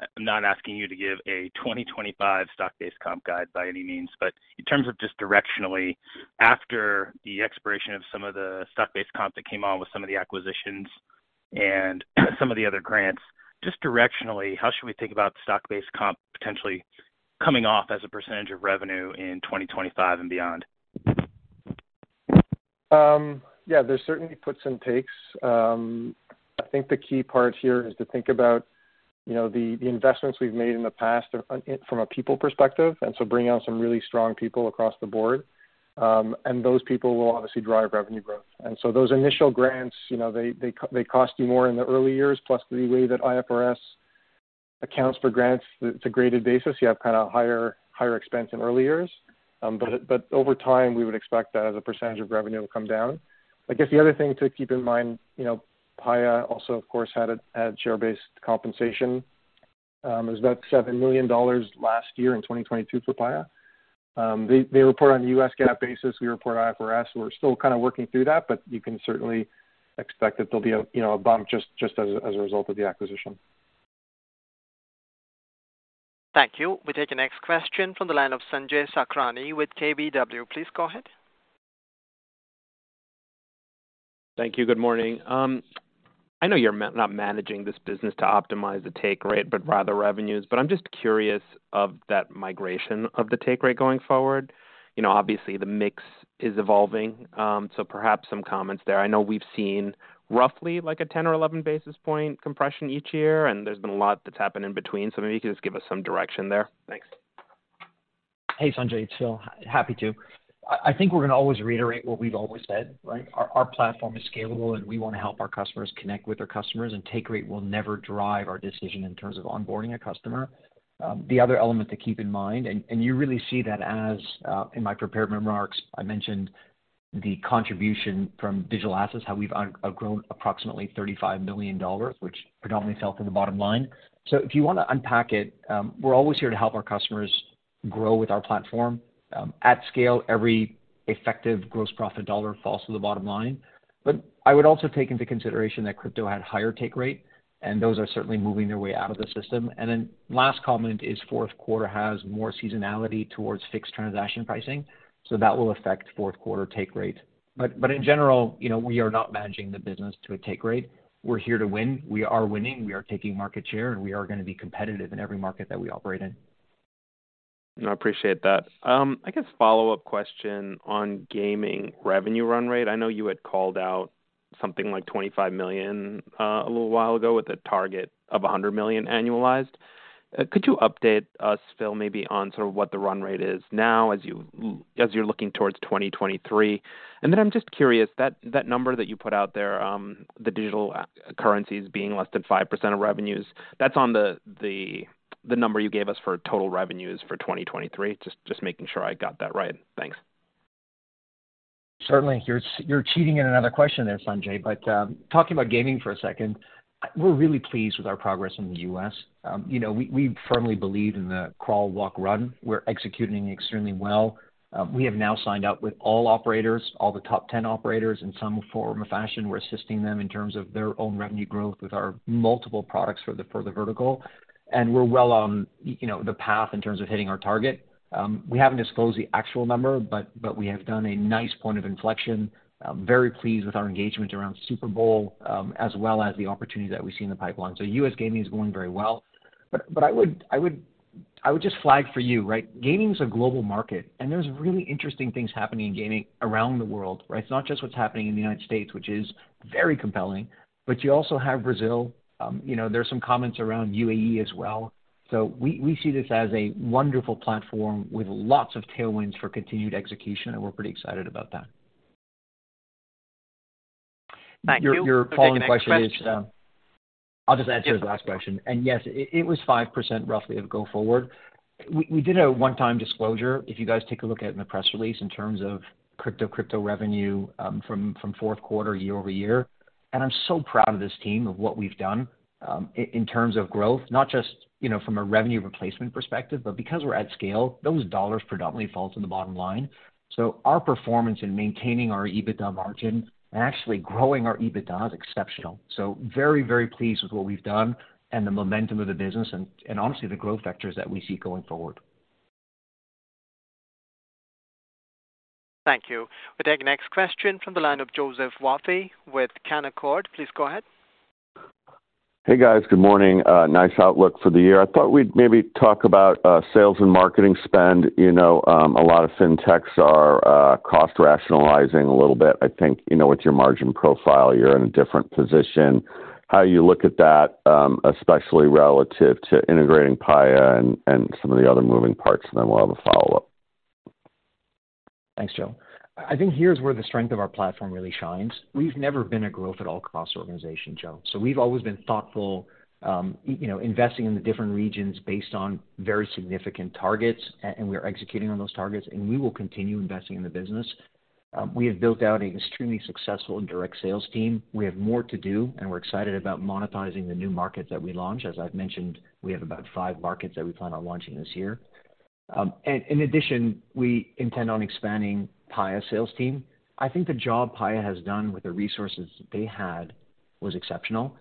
I'm not asking you to give a 2025 stock-based comp guide by any means, but in terms of just directionally, after the expiration of some of the stock-based comp that came on with some of the acquisitions and some of the other grants, just directionally, how should we think about stock-based comp potentially coming off as a percentage of revenue in 2025 and beyond? Yeah, there's certainly puts and takes. I think the key part here is to think about, you know, the investments we've made in the past from a people perspective, so bringing on some really strong people across the board. Those people will obviously drive revenue growth. So those initial grants, you know, they cost you more in the early years. Plus, the way that IFRS accounts for grants, it's a graded basis. You have kinda higher expense in early years. Over time, we would expect that as a percentage of revenue will come down. I guess the other thing to keep in mind, you know, Paya also, of course, had share-based compensation. It was about $7 million last year in 2022 for Paya. They report on the U.S. GAAP basis. We report on IFRS. We're still kinda working through that, but you can certainly expect that there'll be a, you know, a bump just as a result of the acquisition. Thank you. We take the next question from the line of Sanjay Sakhrani with KBW. Please go ahead. Thank you. Good morning. I know you're not managing this business to optimize the take rate but rather revenues, but I'm just curious of that migration of the take rate going forward. You know, obviously the mix is evolving, so perhaps some comments there. I know we've seen roughly like a 10 or 11 basis point compression each year, and there's been a lot that's happened in between, so maybe you can just give us some direction there. Thanks. Hey, Sanjay, it's Phil. Happy to. I think we're gonna always reiterate what we've always said, right? Our platform is scalable and we wanna help our customers connect with their customers, and take rate will never drive our decision in terms of onboarding a customer. The other element to keep in mind, and you really see that as in my prepared remarks, I mentioned the contribution from digital assets, how we've outgrown approximately $35 million, which predominantly fell to the bottom line. If you wanna unpack it, we're always here to help our customers grow with our platform. At scale, every effective gross profit dollar falls to the bottom line. I would also take into consideration that crypto had higher take rate, and those are certainly moving their way out of the system. Last comment is fourth quarter has more seasonality towards fixed transaction pricing, so that will affect fourth quarter take rate. In general, you know, we are not managing the business to a take rate. We're here to win. We are winning. We are taking market share, and we are gonna be competitive in every market that we operate in. No, I appreciate that. I guess follow-up question on gaming revenue run rate. I know you had called out something like $25 million, a little while ago, with a target of $100 million annualized. Could you update us, Phil, maybe on sort of what the run rate is now as you're looking towards 2023? I'm just curious, that number that you put out there, the digital currencies being less than 5% of revenues, that's on the number you gave us for total revenues for 2023. Just making sure I got that right. Thanks. Certainly. You're cheating in another question there, Sanjay. Talking about gaming for a second, we're really pleased with our progress in the U.S. You know, we firmly believe in the crawl, walk, run. We're executing extremely well. We have now signed up with all operators, all the top 10 operators in some form or fashion. We're assisting them in terms of their own revenue growth with our multiple products for the vertical, and we're well on, you know, the path in terms of hitting our target. We haven't disclosed the actual number, but we have done a nice point of inflection. I'm very pleased with our engagement around Super Bowl, as well as the opportunity that we see in the pipeline. U.S. gaming is going very well. I would just flag for you, right. Gaming's a global market, there's really interesting things happening in gaming around the world, right. It's not just what's happening in the United States, which is very compelling, you also have Brazil. you know, there's some comments around UAE as well. We, we see this as a wonderful platform with lots of tailwinds for continued execution, we're pretty excited about that. Thank you. Your, your follow-up question is? We'll take the next question. I'll just answer the last question. Yes, it was 5% roughly of go forward. We did a one-time disclosure, if you guys take a look at it in the press release, in terms of crypto revenue, from fourth quarter year-over-year. I'm so proud of this team, of what we've done, in terms of growth, not just, you know, from a revenue replacement perspective, but because we're at scale, those $ predominantly fall to the bottom line. Our performance in maintaining our EBITDA margin and actually growing our EBITDA is exceptional. Very, very pleased with what we've done and the momentum of the business and honestly, the growth vectors that we see going forward. Thank you. We'll take the next question from the line of Joseph Vafi with Canaccord. Please go ahead. Hey, guys. Good morning. A nice outlook for the year. I thought we'd maybe talk about sales and marketing spend. You know, a lot of fintechs are cost rationalizing a little bit. I think, you know, with your margin profile, you're in a different position. How you look at that, especially relative to integrating Paya and some of the other moving parts, and then we'll have a follow-up. Thanks, Joe. I think here's where the strength of our platform really shines. We've never been a growth at all cost organization, Joe. We've always been thoughtful, you know, investing in the different regions based on very significant targets, and we are executing on those targets, and we will continue investing in the business. We have built out an extremely successful and direct sales team. We have more to do, and we're excited about monetizing the new markets that we launch. As I've mentioned, we have about five markets that we plan on launching this year. In addition, we intend on expanding Paya sales team. I think the job Paya has done with the resources they had was exceptional.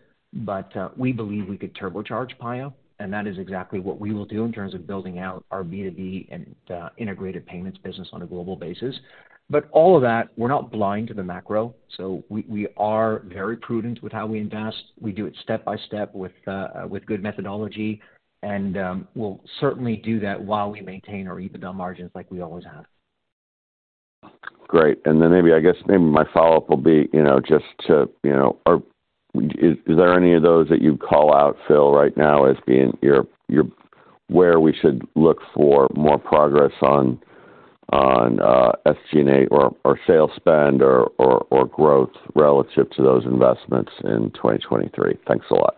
We believe we could turbocharge Paya, and that is exactly what we will do in terms of building out our B2B and integrated payments business on a global basis. All of that, we're not blind to the macro. We are very prudent with how we invest. We do it step by step with good methodology, and we'll certainly do that while we maintain our EBITDA margins like we always have. Great. Maybe, I guess maybe my follow-up will be, you know, just to, you know. Is there any of those that you call out, Phil, right now as being your where we should look for more progress on SG&A or sales spend or growth relative to those investments in 2023? Thanks a lot.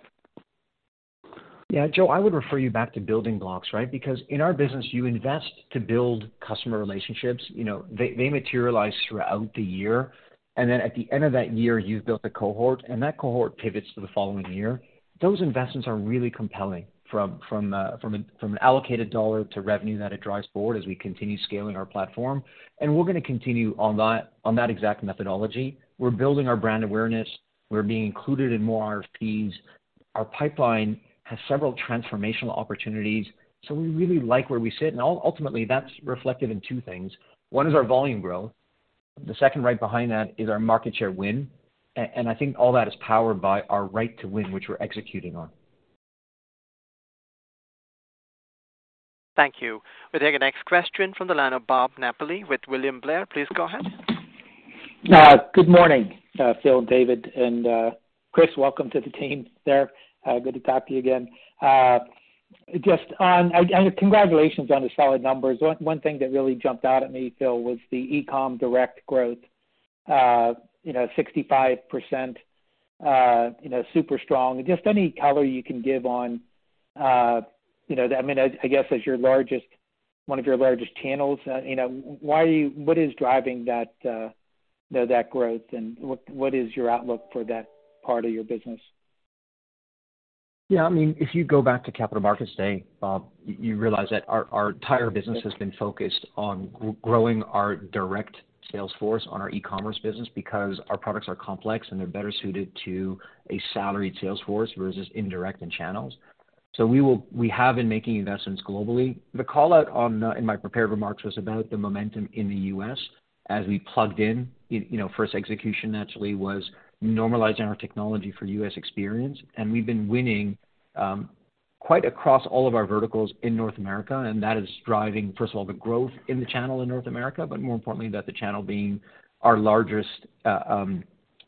Yeah. Joe, I would refer you back to building blocks, right? Because in our business, you invest to build customer relationships. You know, they materialize throughout the year, and then at the end of that year, you've built a cohort, and that cohort pivots to the following year. Those investments are really compelling from an allocated dollar to revenue that it drives forward as we continue scaling our platform. We're gonna continue on that, on that exact methodology. We're building our brand awareness. We're being included in more RFPs. Our pipeline has several transformational opportunities, so we really like where we sit. Ultimately, that's reflected in two things. One is our volume growth, the second right behind that is our market share win. I think all that is powered by our right to win, which we're executing on. Thank you. We'll take the next question from the line of Bob Napoli with William Blair. Please go ahead. Good morning, Philip Fayer, David Schwartz, and Chris Mammone. Welcome to the team there. Good to talk to you again. Just, congratulations on the solid numbers. One thing that really jumped out at me, Philip Fayer, was the eCom direct growth. You know, 65%, you know, super strong. Just any color you can give on, you know, I mean, I guess as one of your largest channels, you know, what is driving that, you know, that growth and what is your outlook for that part of your business? I mean, if you go back to Capital Markets Day, Bob, you realize that our entire business has been focused on growing our direct sales force on our e-commerce business because our products are complex, and they're better suited to a salaried sales force versus indirect and channels. We have been making investments globally. The call out in my prepared remarks was about the momentum in the U.S. as we plugged in, you know, first execution naturally was normalizing our technology for U.S. experience. We've been winning quite across all of our verticals in North America, and that is driving, first of all, the growth in the channel in North America, more importantly, that the channel being our largest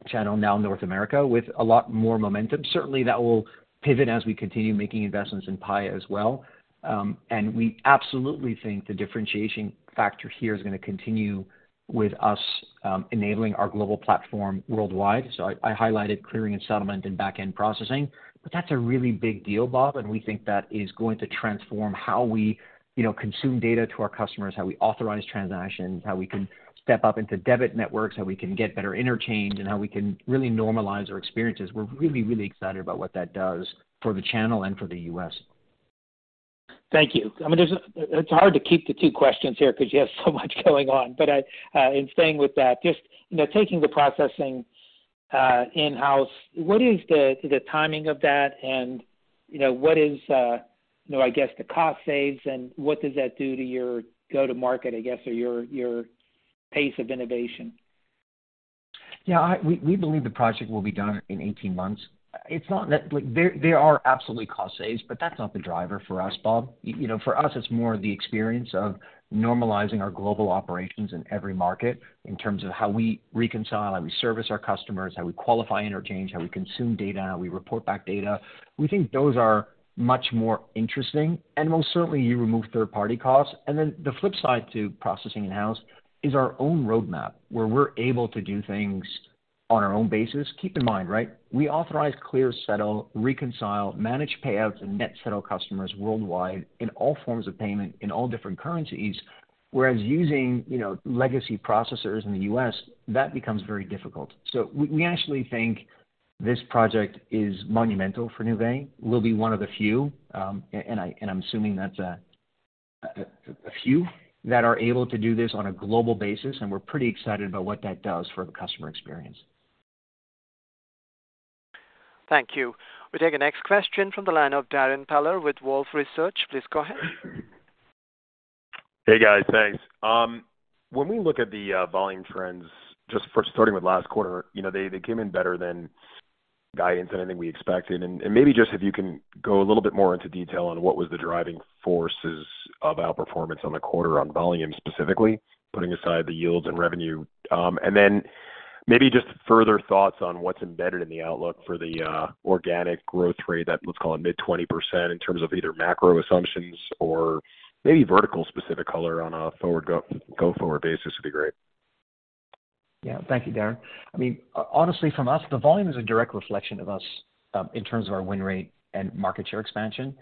channel now in North America with a lot more momentum. Certainly, that will pivot as we continue making investments in Paya as well. We absolutely think the differentiation factor here is gonna continue with us, enabling our global platform worldwide. I highlighted clearing and settlement and back-end processing, that's a really big deal, Bob, and we think that is going to transform how we, you know, consume data to our customers, how we authorize transactions, how we can step up into debit networks, how we can get better interchange, and how we can really normalize our experiences. We're really, really excited about what that does for the channel and for the U.S.. Thank you. I mean, It's hard to keep the two questions here because you have so much going on. I, in staying with that, just, you know, taking the processing in-house, what is the timing of that and, you know, what is, you know, I guess, the cost saves and what does that do to your go-to market, I guess, or your pace of innovation? Yeah. We believe the project will be done in 18 months. It's not that. Like, there are absolutely cost saves, but that's not the driver for us, Bob. You know, for us, it's more the experience of normalizing our global operations in every market in terms of how we reconcile, how we service our customers, how we qualify interchange, how we consume data, how we report back data. We think those are much more interesting. Most certainly, you remove third-party costs. Then the flip side to processing in-house is our own roadmap, where we're able to do things on our own basis. Keep in mind, right, we authorize clear settle, reconcile, manage payouts, and net settle customers worldwide in all forms of payment in all different currencies. Whereas using, you know, legacy processors in the U.S., that becomes very difficult. We actually think this project is monumental for Nuvei. We'll be one of the few, and I, and I'm assuming that's a few that are able to do this on a global basis, and we're pretty excited about what that does for the customer experience. Thank you. We take the next question from the line of Darrin Peller with Wolfe Research. Please go ahead. Hey, guys. Thanks. When we look at the volume trends just for starting with last quarter, you know, they came in better than guidance than anything we expected. Maybe just if you can go a little bit more into detail on what was the driving forces of outperformance on the quarter on volume, specifically, putting aside the yields and revenue. Then maybe just further thoughts on what's embedded in the outlook for the organic growth rate that, let's call it mid-20% in terms of either macro assumptions or maybe vertical specific color on a go-forward basis would be great. Thank you, Darrin. I mean, honestly from us, the volume is a direct reflection of us in terms of our win rate and market share expansion.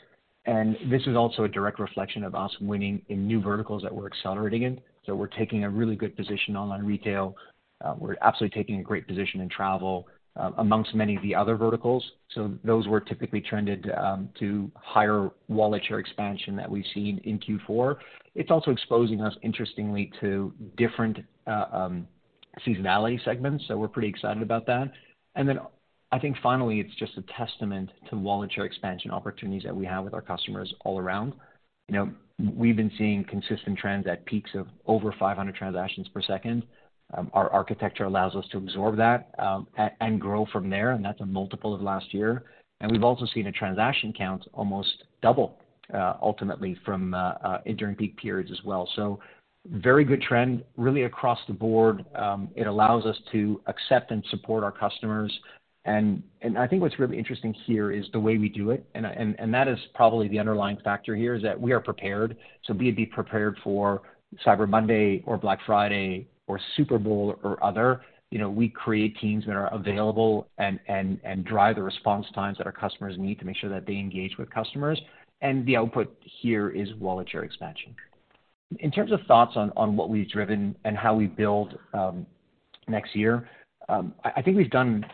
This is also a direct reflection of us winning in new verticals that we're accelerating in. We're taking a really good position on retail. We're absolutely taking a great position in travel amongst many of the other verticals. Those were typically trended to higher wallet share expansion that we've seen in Q4. It's also exposing us interestingly to different seasonality segments. We're pretty excited about that. I think finally, it's just a testament to wallet share expansion opportunities that we have with our customers all around. You know, we've been seeing consistent trends at peaks of over 500 transactions per second. Our architecture allows us to absorb that and grow from there, and that's a multiple of last year. We've also seen a transaction count almost double ultimately from during peak periods as well. Very good trend really across the board. It allows us to accept and support our customers. I think what's really interesting here is the way we do it. That is probably the underlying factor here, is that we are prepared. Be it be prepared for Cyber Monday or Black Friday or Super Bowl or other, you know, we create teams that are available and drive the response times that our customers need to make sure that they engage with customers. The output here is wallet share expansion. In terms of thoughts on what we've driven and how we build, next year, I think we've done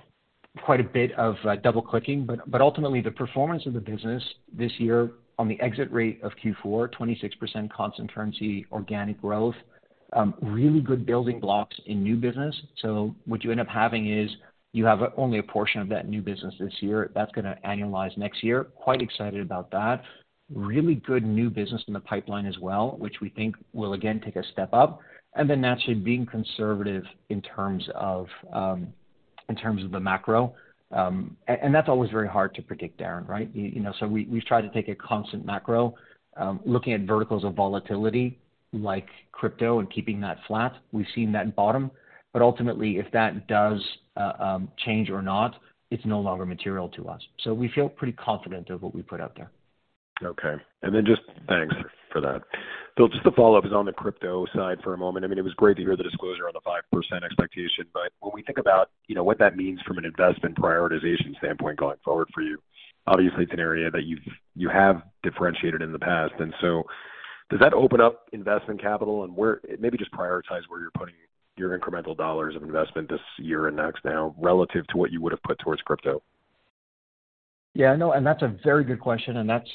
quite a bit of double-clicking. Ultimately, the performance of the business this year on the exit rate of Q4, 26% constant currency organic growth, really good building blocks in new business. What you end up having is you have only a portion of that new business this year that's gonna annualize next year. Quite excited about that. Really good new business in the pipeline as well, which we think will again take a step up and then naturally being conservative in terms of, in terms of the macro. That's always very hard to predict, Darrin, right? You know, so we've tried to take a constant macro, looking at verticals of volatility like crypto and keeping that flat. We've seen that bottom. Ultimately, if that does change or not, it's no longer material to us. We feel pretty confident of what we put out there. Okay. Thanks for that. Phil, just a follow-up is on the crypto side for a moment. I mean, it was great to hear the disclosure on the 5% expectation, when we think about, you know, what that means from an investment prioritization standpoint going forward for you, obviously it's an area that you have differentiated in the past. Does that open up investment capital and maybe just prioritize where you're putting your incremental dollars of investment this year and next now relative to what you would've put towards crypto? Yeah, no, and that's a very good question, and that's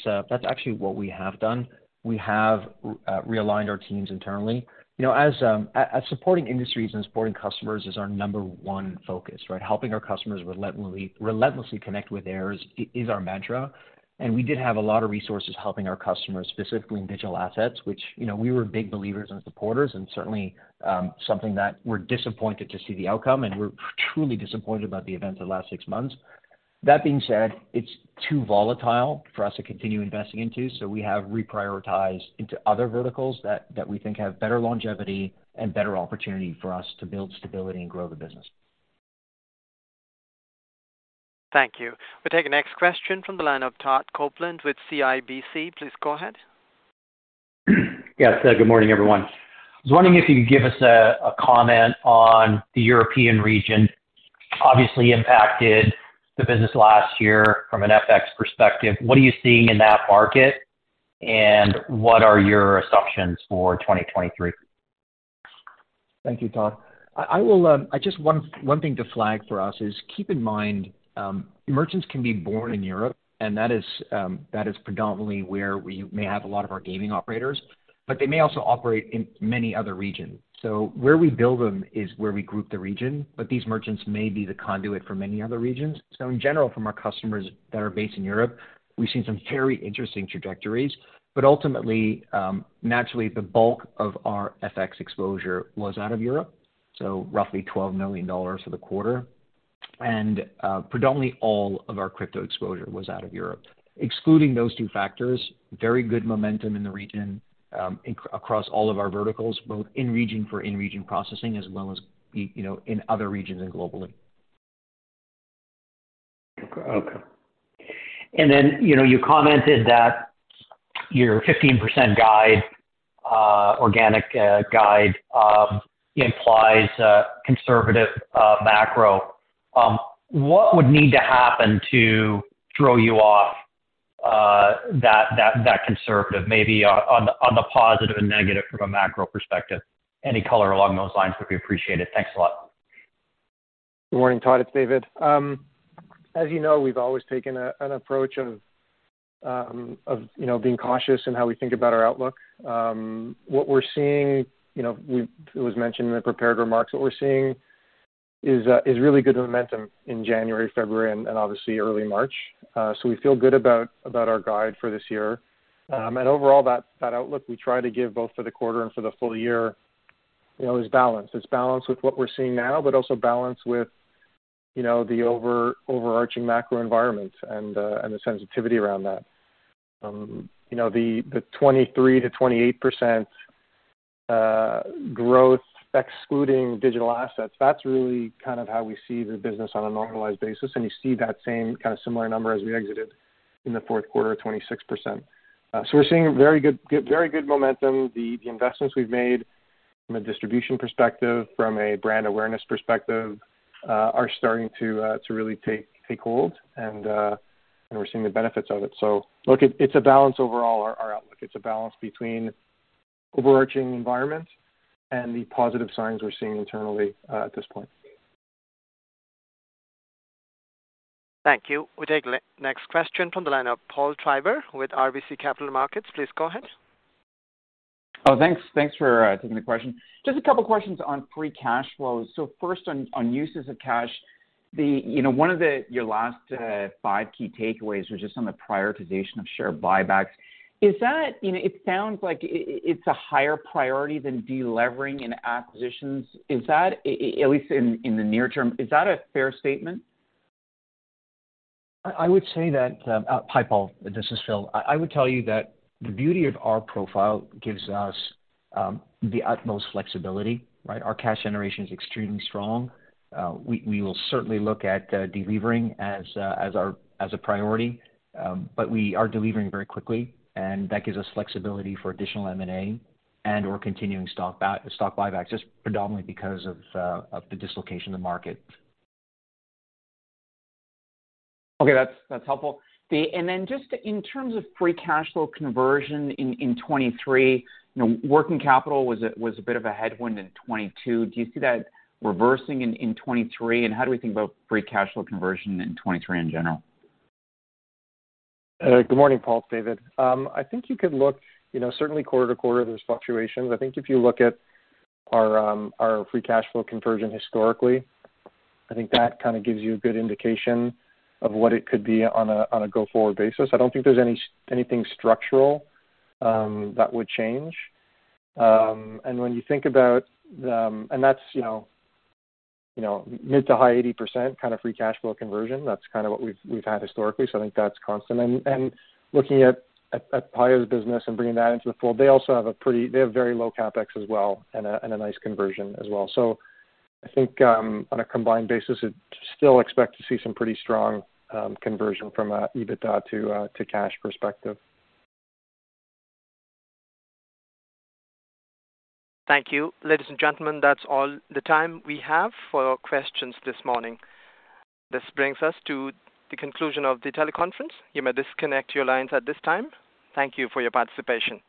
actually what we have done. We have realigned our teams internally. You know, as supporting industries and supporting customers is our number one focus, right? Helping our customers relentlessly connect with theirs is our mantra, and we did have a lot of resources helping our customers, specifically in digital assets, which, you know, we were big believers and supporters and certainly something that we're disappointed to see the outcome, and we're truly disappointed about the events of the last six months. That being said, it's too volatile for us to continue investing into, so we have reprioritized into other verticals that we think have better longevity and better opportunity for us to build stability and grow the business. Thank you. We'll take the next question from the line of Todd Coupland with CIBC. Please go ahead. Yes. Good morning, everyone. I was wondering if you could give us a comment on the European region obviously impacted the business last year from an FX perspective. What are you seeing in that market, and what are your assumptions for 2023? Thank you, Todd. I will, I just want one thing to flag for us is keep in mind, merchants can be born in Europe, that is predominantly where we may have a lot of our gaming operators, but they may also operate in many other regions. Where we build them is where we group the region, but these merchants may be the conduit for many other regions. In general, from our customers that are based in Europe, we've seen some very interesting trajectories. Ultimately, naturally the bulk of our FX exposure was out of Europe, roughly $12 million for the quarter. Predominantly all of our crypto exposure was out of Europe. Excluding those two factors, very good momentum in the region, across all of our verticals, both in region for in-region processing as well as you know, in other regions and globally. Okay. you know, you commented that your 15% guide, organic guide, implies a conservative macro. What would need to happen to throw you off that conservative maybe on the positive and negative from a macro perspective? Any color along those lines would be appreciated. Thanks a lot. Good morning, Todd. It's David. As you know, we've always taken a, an approach of, you know, being cautious in how we think about our outlook. What we're seeing, you know, it was mentioned in the prepared remarks, what we're seeing is really good momentum in January, February and obviously early March. So we feel good about our guide for this year. Overall that outlook we try to give both for the quarter and for the full year, you know, is balanced. It's balanced with what we're seeing now, but also balanced with, you know, the overarching macro environment and the sensitivity around that. you know, the 23%-28% growth excluding digital assets, that's really kind of how we see the business on a normalized basis, and you see that same kind of similar number as we exited in the fourth quarter of 26%. We're seeing very good momentum. The investments we've made from a distribution perspective, from a brand awareness perspective, are starting to really take hold and we're seeing the benefits of it. Look, it's a balance overall our outlook. It's a balance between overarching environment and the positive signs we're seeing internally at this point. Thank you. We take the next question from the line of Paul Treiber with RBC Capital Markets. Please go ahead. Thanks. Thanks for taking the question. Just a couple of questions on free cash flows. First on uses of cash. You know, one of your last five key takeaways was just on the prioritization of share buybacks. Is that, you know, it sounds like it's a higher priority than delevering and acquisitions. Is that, at least in the near term, is that a fair statement? I would say that, hi, Paul. This is Phil. I would tell you that the beauty of our profile gives us the utmost flexibility, right? Our cash generation is extremely strong. We will certainly look at delevering as our priority. We are delivering very quickly and that gives us flexibility for additional M&A and or continuing stock buybacks, just predominantly because of the dislocation in the market. Okay. That's, that's helpful. Then just in terms of free cash flow conversion in 2023, you know, working capital was a bit of a headwind in 2022. Do you see that reversing in 2023? How do we think about free cash flow conversion in 2023 in general? Good morning, Paul. It's David. I think you could look, you know, certainly quarter to quarter, there's fluctuations. I think if you look at our free cash flow conversion historically, I think that kinda gives you a good indication of what it could be on a go-forward basis. I don't think there's anything structural that would change. When you think about that's, you know, you know, mid to high 80% kinda free cash flow conversion. That's kinda what we've had historically. I think that's constant. Looking at Paya's business and bringing that into the fold, they also have very low CapEx as well and a nice conversion as well. I think, on a combined basis, still expect to see some pretty strong conversion from EBITDA to cash perspective. Thank you. Ladies and gentlemen, that's all the time we have for questions this morning. This brings us to the conclusion of the teleconference. You may disconnect your lines at this time. Thank you for your participation.